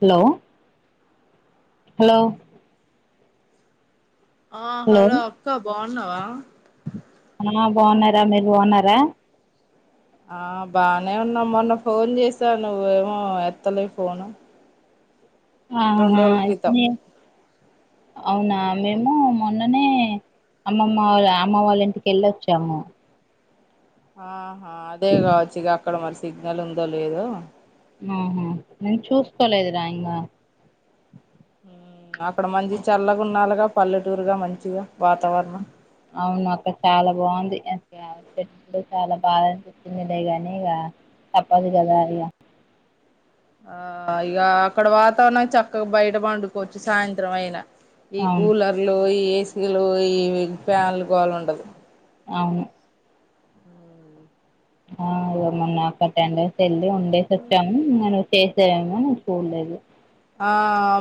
Hello hello ఆ hello అక్క బాగున్నావా ఆ బాగున్నారా మీరు బాగున్నారా ఆ బానే ఉన్నా మొన్న ఫోన్ చేశా నువ్వు ఏమో ఎత్తలే ఫోను ఆహ రెండు రోజుల క్రితం [unintelligible] అవునా మేము మొన్ననే అమ్మమ్మ వాళ్ అమ్మ వాళ్ళ ఇంటికి వెళ్ళొచ్చాము ఆహా అదే కావచ్చు ఇక అక్కడ మరి సిగ్నల్ ఉందో లేదు ఆహా నేను చూసుకోలేదు రా ఇకా అక్కడ మంచి చల్లగా ఉండాలిగా పల్లెటూరుగా మంచిగా వాతావరణం అవును అక్క చాలా బాగుంది ఆ చాలా బాధనిపించిందిలే గానీ ఇక తప్పదు కదా అ ఆ ఇక అక్కడ వాతావరణం చక్కగా బయట పండుకోవచ్చు సాయంత్రం అయినా ఈ అవును కూలర్లు ఈ ఏసీలు ఈ ఫ్యాన్లు గోల ఉండదు అవును ఆ ఇగ మొన్న టెన్ డేస్ వెళ్ళి ఉండేసి వచ్చాము చేశాను చూడలేదు ఆ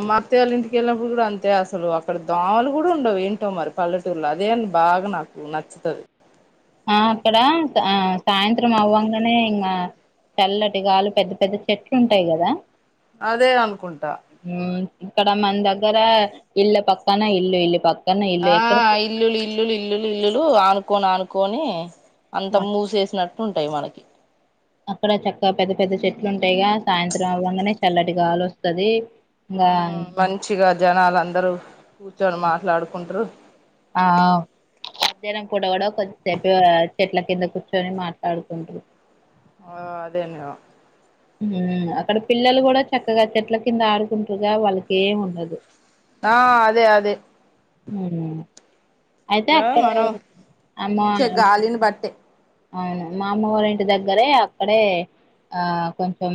మా అత్తయ్య వాళ్ళు ఇంటికివెళ్ళినప్పుడు కూడా అంతే అసలు అక్కడ దోమలు కూడా ఉండవు ఏంటో మరి పల్లెటూలా అదే బాగా నాకు నచ్చితది ఆ అక్కడ ఆ సాయంత్రం అవ్వంగానే ఇంకా చల్లటిగాలు పెద్ద పెద్ద చెట్లు ఉంటాయి కదా అదే అనుకుంటా మ్మ్ ఇక్కడ మన దగ్గర ఇల్లు పక్కన ఇల్లు ఇల్లు పక్క ఆ ఇల్లులు ఇల్లులు ఇల్లులు ఇల్లులు ఆనుకోని ఆనుకోని అంత ఆ మూసేసినట్టు ఉంటాయి మనకి అక్కడ చక్క పెద్ద పెద్ద చెట్లు ఉంటాయిగా సాయంత్రం అవంగానే చల్లటిగాలి వస్తది ఆ ఇంగా మంచిగా జనాలు అందరూ కూర్చొని మాట్లాడుకుంటారు ఆ కూడా కూడా కొద్దిసేప చెట్ల కింద కూర్చొని మాట్లాడుకుంటారు ఆ అదేన్న హు అక్కడ పిల్లలు కూడా చక్కగా చెట్ల కింద ఆడుకుంటుగా వాళ్లకు ఏం ఉండదు ఆ అదే అదే ఉహ్ అయితే ఇంకా అక్కడ మనం అమ్మ పీల్చే గాలిని బట్టే అవును మా అమ్మవారి ఇంటి దగ్గరే అక్కడే ఆ కొంచెం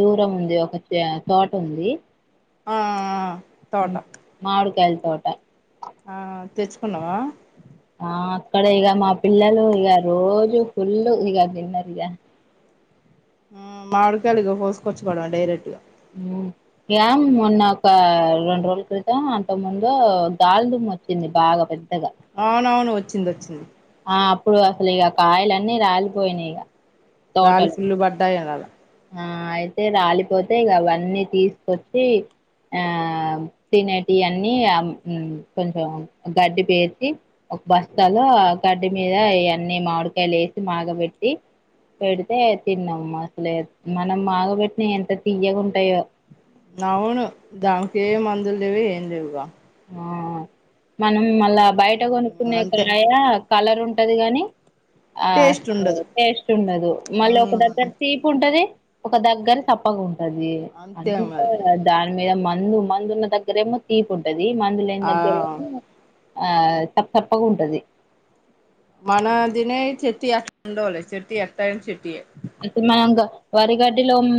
దూరం ఉంది ఒక తోట ఉంది ఆఆ హు మామిడికాయ తోట ఆ తెచ్చుకున్నవా ఆ అక్కడ ఇక మా పిల్లలు ఇక రోజు ఫుల్ ఇక తిన్నరు ఇగ ఆ మామిడికాయల్ని కోసుకొని ఆచ్చుకోడవ డైరెక్ట్ గా ఏం మొన్న ఒక రెండు రోజుల క్రితం అంతకు ముందు గాల్ దుమ్ము ఓచ్చింది. బాగా పెద్దగా అవునవును ఓచ్చింది వోచ్చింది. ఆ అప్పుడు అసలు ఇగ కాయలన్నీ రాలిపోయినాయి ఇగ రాలీ ఫుల్లు పడ్డాయి. ఆ అయితే రాలిపోతే ఇగ అవన్నీ తీసుకొచ్చి ఆమ్ తినేటి అన్ని ఆమ్ ఉం కొంచెం గడ్డిపేసి ఒక బస్తాలో ఆ గడ్డి మీద ఇయన్ని మామిడికాయలు ఎసి మాగబెట్టి పెడితే తిన్నాము అసలే మనం మాగబెట్టినాయి ఎంత తీయగాంటాయో. అవును దానికి ఏ మందులు లేవు ఏం లేవుగా. ఆ మనం మళ్ళా బయట కొనుక్కునే అంతే కాయ కలర్ ఉంటది గాని ఆ టేస్ట్ ఉండదు టేస్ట్ ఉండదు మళ్ళీ ఒక దగ్గర మ్మ్ తీపు ఉంటది. ఒక దగ్గర సప్పగ ఉంటది అంతే అందు మరి దాని మీద మ మందు మందున్న దగ్గరేమో తీపు ఉంటది మందు లేని దగ్గర ఆ ఆ సప్పప్పగా ఉంటది. మనదినే చెట్ అండలే చెట్ ఎట్ట చెట్టి అసలు మనం గా వరిగడ్డిలో ఉమ్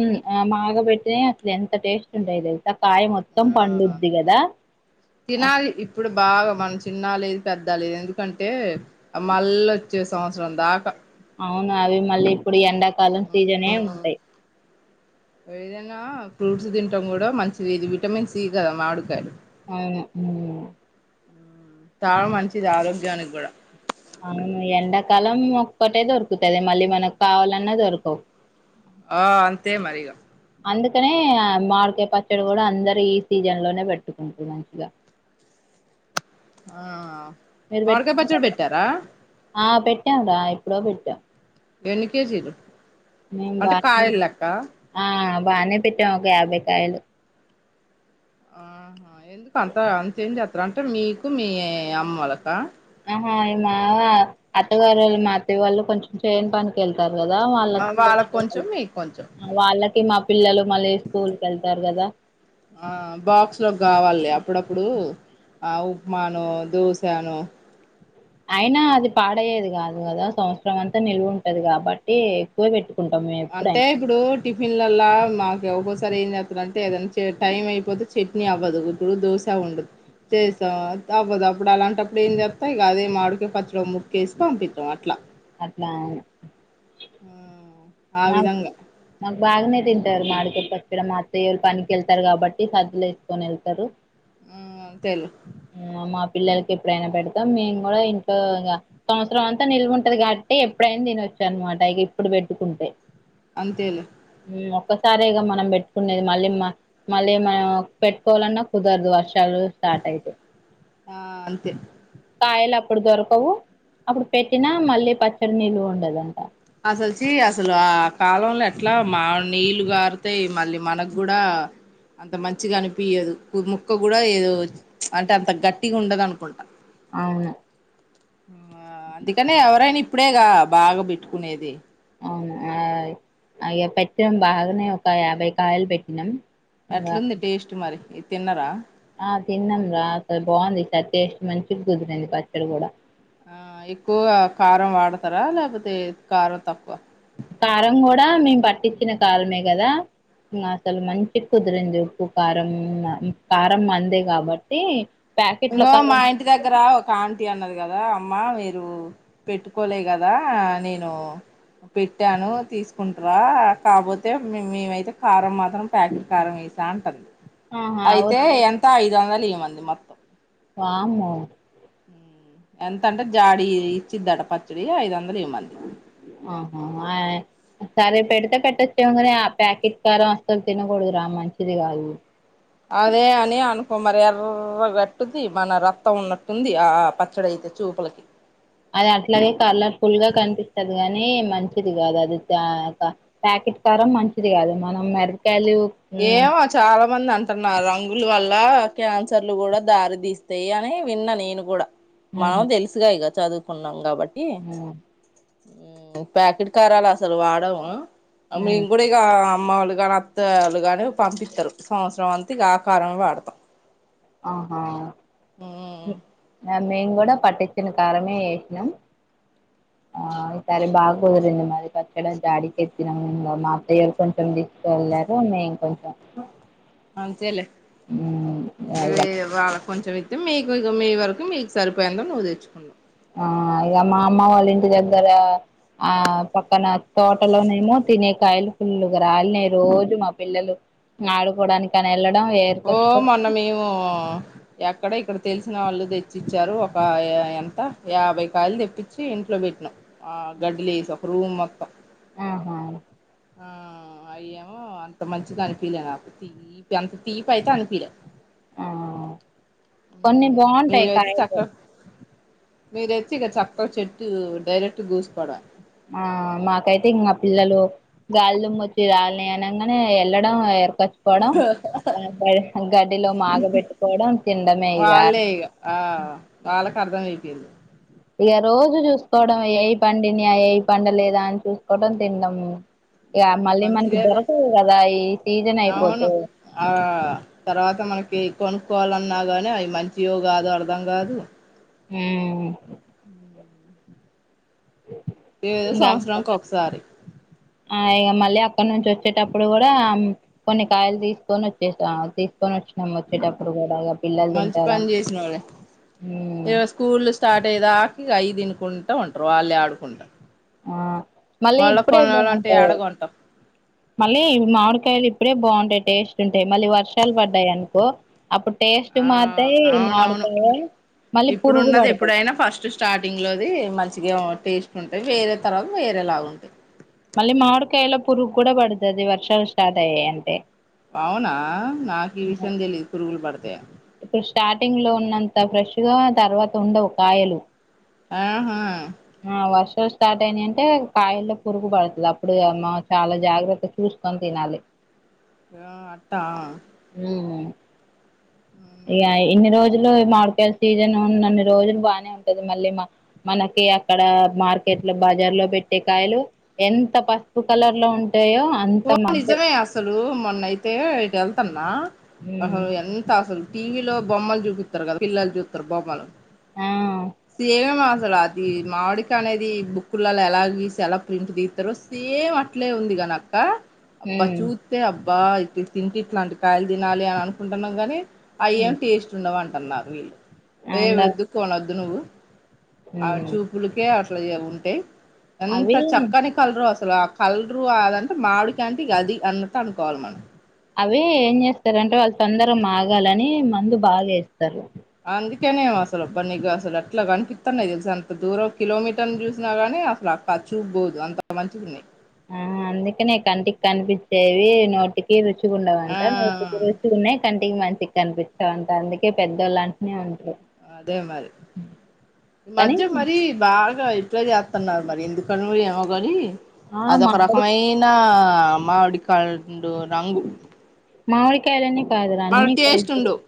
మాగబెట్టితే అసలు ఎంత టేస్ట్ ఉంటాయో తెలుసా కాయ మొత్తం ఆ పండుద్ది కదా. తినాలి ఇప్పుడు బాగా మనం సిన్నలి పెద్దాల ఎందుకంటే మళ్ళ వచ్చే సంవత్సరం దాకా అవును అవి మళ్ళీ ఇప్పుడు ఎండాకాలం సీజనే మ్మ్ ఉంటాయి. ఏదైనా ఫ్రూట్స్ తింటాం కూడా మంచిది ఇది విటమిన్స్ సి కదా మామిడికాయలు. అవునా ఉమ్ చాలా మంచిది ఆరోగ్యానికి కూడా అవును ఎండాకాలం ఒక్కటే దొరుకుతది మళ్లీ మనకు కావాలన్నా దొరకవు. ఆ అంతే మరి ఇగ అందుకనే ఆ మాడికాయ పచ్చడ కూడా అందరు ఈ సీజన్ లోనే పెట్టుకుంటారు మంచిగా ఆ మీరు మామిడికాయ పచ్చడి పెట్టుకున్నారా పెట్టారా ఆ పెట్టాం రా ఎప్పుడో పెట్టాం ఎన్ని కేజీలు మేము అంటే బానే కాయలు లెక్క ఆ బాగానే పెట్టాం ఒక యాభైకాయలు. ఆహా ఎందుకు అంత అంత ఏం చేస్తారు అంటే మీకు మీ అమ్మోలక ఆహా మా అత్తగారు వాళ్ళు మా అత్త వాళ్ళు కొంచెం చేను పనికి వెళ్తారు. కదా ఆ వాళ్ళకు కొంచెం వాళ్ళకి మీకు కొంచెం వాళ్ళకి మా పిల్లలు మళ్ళీ స్కూల్ కెళ్తారు కదా ఆ బాక్స్ లోకి కావాలి లే అప్పుడప్పుడు ఆ ఉప్మాను దోసాను అయినా అది పాడయ్యేది కాదు కదా సంవత్సరం అంతా నిల్వు ఉంటది కాబట్టి ఎక్కువ బెట్టు అంటే ఇప్పుడు టిఫిన్ లలా మాకు ఇవ ఒక్కోసా సరే ఏం చేస్తారు అంటే ఏదైనా టైం అయిపోతే చట్నీ అవ్వదు ఇప్పుడు దోశ ఉండదు. చేసాం అవ్వదు అప్పుడు అలాంటప్పుడు ఏం చెతం ఇక అదే మామిడికాయ పచ్చడిలో ముక్క వేసి పంపించాం అట్లా అట్లా అవును ఆ ఆ విధంగా నాకు బాగానే తింటారు మాడికిన మా అత్తయ్యాయోళ్ళు పనికి వెళ్తారు కాబట్టి సద్ద్దలు వేసుకొని వెళ్తారు ఆ తెలు ఆ మా పిల్లలకి ఎప్పుడైనా పెడతాం మేము కూడా ఇంట్లో సంవత్సరం అంతా నిల్వ ఉంటది కాబట్టి ఎప్పుడైనా తినచ్చఅన్నమాట ఇక ఇప్పుడు పెట్టుకుంటే అంతేలే ఒక్కసారేగా మనం పెట్టుకునేది మళ్ళీ మళ్ళీ మనం పెట్టుకోవాలన్నా కుదరదు వర్షాలు స్టార్ట్ అయితే హ అంతే కాయలు అప్పుడు దొరకవు అప్పుడు పెట్టినా మళ్ళీ పచ్చడి నిల్వ ఉండదంట వచ్చి అసలు ఆ కాలంలో ఎట్లా మా నీళ్ళు గారుతాయి మళ్ళీ మనకుగూడ అంత మంచిగా అనిపియ్యదు ముక్క కూడా ఏదో అంటే అంత గట్టిగా ఉండదు అనుకుంటా అవును అందుకనే ఎవరైనా ఇప్పుడేగా బాగా పెట్టుకునేది అవును అ అయ్యో పెట్టాం బాగానే ఒక యాభై కాయలు పెట్టినాం ఇంగా అట్లుంది టేస్ట్ మరి ఇది తిన్నరా ఆ తిన్నాం రా అ బాగుంది చ టేస్ట్ మంచిగా కుదిరింది పచ్చడి కూడా ఆ ఎక్కువగా కారం వాడతారా లపోతే కారం తక్కువ కారం కూడా మేము పట్టించిన కారమే కదా ఇ అసలు మంచి కుదిరింది ఉప్పు కారం కారం మందె కాబట్టి ప్యాకెట్ల ఇగో మా కారం ఇంటి దగ్గర ఒక ఆంటి అన్నది కదా అమ్మ మీరు పెట్టుకోలే కదా నేను పెట్టాను తీసుకుంటావా కాపోతే మేమైతే కారం మాత్ర ప్యాకట్ కారం వేసా అంటంది ఆహా అయితే వద్దు ఎంత ఐదు వందలు ఇయమంది మొత్తం వామ్మో ఎంతంటే జాడి ఇచ్చిదట పచ్చడి ఐదు వందలు ఇవ్వమంది [unintelligible] ఆహా ఆ సరే పెడతే పెట్టచ్చేమో గాని ఆ ప్యాకెట్ కారం అసలు తినకూడదురా మంచిది గాదు అదే అని అనుకో మరి ఎర్ర గట్టుది మన రక్తం ఉన్నట్టుంది ఆ పచ్చడి అయి చూపలకి అది అట్లాగే కలర్ ఫుల్ గా కనిపిస్తది గాని మంచిది కాదు అది పాకెట్ కారం మంచిది కాదు మనం మెరకాయలు కొంతమంది అంటున్నారు రంగులు వల్ల క్యాన్సర్లు కూడా దారి తీస్తాయి అని విన్నా నేను కూడా మనం తెలుసుగా ఇక చదువుకున్నాం కాబట్టి ప్యాకెట్ కారాలు అసలు వాడవు అ మేము కూడా ఇకా అమ్మ వాళ్ళ గాని అత్త వాళ్ళు ని పంపిస్తారు సంవత్సరం అంతా ఆకారమే వాడతాం ఆహా ఉ మేము కూడా పట్టించిన కారమే ఏసినం ఆ ఈ సారి బాగా కుదిరింది మరి పచ్చడి జాడికిెత్తినము మా అత్తయ్యరు కొంచెం మేము కొంచం మంచిేలే ఇది వాళ కొంచం అయి మీ మ వరకు మీకు సరిపోయిందో నువ్వు తెచ్చుకున్నావు ఆ ఇక మా అమ్మ వాళ్ళ ఇంటి దగ్గర ఆ పక్కన తోటలోన ఉన్నిన్న తినే కాయలు పుల్లుగా రాలినాయి రోజు మా పిల్లలు ఆడుకోవడానికి అని వెళ్ళ ఓ మాల్ల మేము ఎక్కడో ఇక్కడ తెలిసిన వాళ్ళు తెచ్చిచ్చారు ఒక ఎంత యాభై కాయలు తెప్పించి ఇంట్లో పెట్టినా ఆ గడ్డి లో వేసా ఒక రూమ్ మొత్తం ఆహా ఆ అయ్యేమో అంత మంచిగా అనిపిలే నాకు తీపి అంత తీపి అయితే అనిపిలే ఆ కొన్ని బాగుంటాయి మీరు అయితే కాయలు తక్కువ మీరు వచ్చి ఇక చక్కాగ చెట్టు డైరెక్ట్ జూసుకాడ ఆ మాకైతే ఇంకా మా పిల్లలు గాలి దుమ్ము వచ్చి రాలినాయి అనంగానే వెళ్ళడం ఎర్ తెచ్చుకోవడం గడ్డిలో మాగబెట్టుకోవడం తినడమే ఇగా వాళ్ళే ఇక ఆ వాళ్ళకు అర్థం అయిపోయింది ఇగా రోజు చూసుకోవడం ఏయి పండినియా ఏయి పండలేదా అని చూసుకోవడం తిండము ఇక మళ్ళీ మనకి మంచిదేలే దొరకవు కదా ఈ సీజన్ అవును అయిపోతే ఆ తర్వాత మనకి కొనుక్కోవాలన్నా కానీ అవి మంచివొ కాదో అర్ధం కాదు మ్మ్ ఆ అవునున్నా ఆ ఇగా సంవత్సరానికి ఒకసారి మా మళ్ళా అక్కడ నుంచి వచ్చేటప్పుడు కూడా కొన్ని కాయలు తీసుకొని వచ్చేసాం తీసుకొని వచ్చినాం వచ్చేటప్పుడు ఇప్పుడు కూడ ఆగాం మంచి పని చేసినావులే ఉమ్ ఇక స్కూల్ స్టార్ట్ అయ్యేదాక ఇక అవి తినుకుంటా ఉంటారు వాళ్ళే ఆడుకుంటా ఆ మళ్ళీ మళ్ళా ఇప్పుడే కొనాలంటే యాడ బాగుంటాయి కొంటాం మళ్ళీ మామిడికాయలు ఇప్పుడే బాగుంటాయి టేస్ట్ ఉంటాయి మళ్ళీ వర్షాలు పడ్డాయి అనుకో అప్పుడు టేస్ట్ ఆ మారుతాయి అవునవును మాడితో ఇప్పుడున్నది ఎప్పుడైనా ఫస్ట్ స్టార్టింగ్ లోది మంచిగా టేస్ట్ ఉంటాయి వేరే తర్వాత వేరేలాగా ఉంటాయి మళ్ళీ మామిడికాయలో పురుగు కూడా పడుతాది వర్షాలు స్షార్ట్ అయ్యాయి అంటే అవునా నాకు ఈ విషయం తెలిదు పురుగులు పడుతాయని ఇప్పుడు స్టార్టింగ్ లో ఉన్నంత ఫ్రెష్ గా తర్వాత ఉండవు కాయలు ఆహా వర్షం స్టార్ట్ అయినాయి అంటే కాయల్లో పురుగు పడుతాది అప్పుడు చాలా జాగ్రత్త చూసుకొని తినాలి అట్టా ఈగ ఇన్ని రోజులు మాడికాయలు సీజన్ ఉన్న అన్ని రోజులు బాగానే ఉంటది మళ్ళీ మన ఇగ అక్కడ మార్కెట్ లో బజార్ లో పెట్టే కాయలు ఎంత పసుపు కలర్ లో ఉ ఉంటాయో అంత మందే మొన్న అయితే ఇటు వెళ్తున్నా ఉమ్ అహోఎంత అసలు టీవీలో బొమ్మలు చూపిత్తారు కదా పిల్లలు చూత్తారు బొమ్మలు ఆ సేమ్ అసలు అది మామిడికాయ అనేది బుక్కుల్లలో ఎలా గీసి ఎలా ప్రింట్ తిత్తారో సేమ్ అట్లే ఉంది ఇగా కానీ అక్క అబ్బా ఉమ్ చూస్తే అబ్బా తింటే ఇట్లాంటి కాయలు తినాలె అని అనుకుంటున్నాం గాని ఉమ్ అయ్యేమ్ టేస్ట్ ఉండవు అంటున్నారు వీళ్ళు ఏ అవునా వేద్దుకు అనవద్దు నువ్వు ఆ ఉమ్ చూపులకే అట్లా జార ఉంటే ఎంత అవి చక్కని కలరో అసలు కలరు అదంటే మామిడికాయ అంటే అది అన్నట్టు అనుకోవాలె మనం అవి ఏం చేస్తారంటే వాళ్ళు తొందర మగాలని మందు బాగా ఎస్తారు తినేఅసలు అబ్బా నీకు అసలు అట్లా కనిపిస్తన్నాయి తెలుస అంత దూరం కిలోమీటర్ని చూసినాగానీ అసలు అ కల్ చూపుబోదు అంత మంచిగున్నాయి ఆహ అందుకనే కంటికి కనిపించేవి నోటికి రుచి మంచిగుండవంట నోటికి ఆ రుచిగున్నాయి కంటికి మంచిగ కనిపించవంట అందుకే పెద్దోళ్ళలాంటినే ఉంటారు అదే మరి ఈ కానీ మధ్య మరి బాగా ఇప్పుడే చేత్తున్నారు మరి ఎందుకనో ఏమో గాని ఆ అదొక మామిడి రకమైన ఆ మామిడికండు రంగు మామిడికాయలని మళ్ళ టేస్ట్ ఉండవు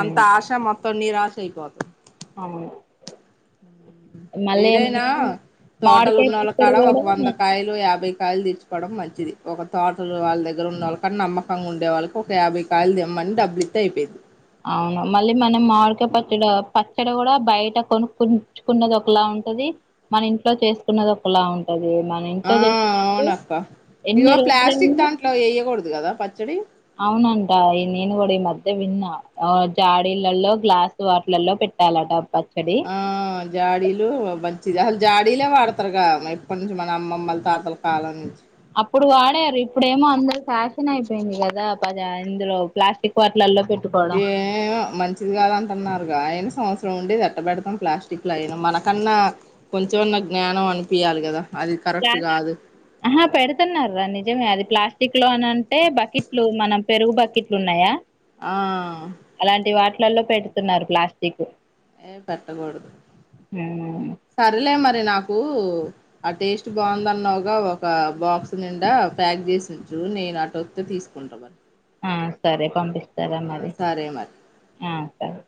అంత ఆశ మొత్తం నిరాశ ఆశ అయిపోతది అవును మళ్ళీ ఏమో ఏదైనా తోటలు మామిడికాయ ఉన్నోళ్ల కాడ పచ్చడి ఒక కూడా వంద నేను కాయలు యాభై కాయలు తెచ్చుకోవడం మంచిది ఒక తోటలు వాళ్ళ దగ్గర ఉన్న వాళ్ళ కాడ నమ్మకంగా ఉండే వాళ్ళకి ఒక యాభై కాయలు తెమ్మన్ ని డబ్బులిస్తే అయిపోయిద్ధి అవును మళ్ళీ మనం మామిడికాయ పచ్చడ పచ్చడ కూడా బయట కొనుకోచుకున్నది ఒకలా ఉం టది మన ఇంట్లో చేసుకున్నది ఒకలా ఉంటది మన ఇంట్లో చేస్ అవునక్కా ఎన్ని రోజులైంది కదా పచ్చడి అవునంట ఇది నేను కూడా విన్న తే విన్నా అ జాడీలళ్ళో గ్లాస్ వాటిలల్లో పెట్టాలట పచ్ ఆ జాడీలు మంచి జ జాడీలే వాడుతారు కద ఎప్పటినుంచో మన అమ్మమ్మల తాతల కాలం నుంచి అప్పుడు వాడారు ఇప్పుడేమో అందరు ఫ్యాషన్ అయిపోయింది కదా పజ ఇందులో ప్లాస్టిక్ వాట్లల్లో ఏమో మంచిది కాదంటున్నారుగా ఆయన సంవత్సరం ఉండేది ఎట్ట పెెడుతాం ప్లాస్టిక్ లో అయినా మనకన్నా కొంచెం అన్నా జ్ఞానం అనిపిియ్యాలి కదా అది కరెక్ట్ ప్లాస్ కాదు ఆహా పెడుతున్నర్ర నిజమే అది ప్లాస్టిక్ లో అని అం టే బకెట్లు మన పెరుగు బకెట్లు ఉన్నాయా అ ట్లళ్ళో పెడుతున్నారు ప్లాస్టిక్ ఏ పెట్టకూడదు సరిలే మరి నాకు కు అ టేస్ట్ బాగుందన్నావుగా ఒక బాక్స్ నిండా ప్యాక్ చేసి ఉంచు నే నేనటోతే తీసుకుంటా మరి ఆ సరే పంపిస్తారా ఆ మరి సరే మరి ఆ సరే